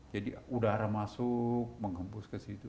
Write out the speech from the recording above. jadi udara masuk menghempus ke situ